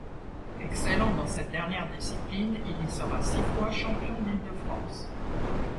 Excellent dans cette dernière discipline, il y sera six fois champion d'Ile-de-France.